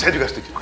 saya juga setuju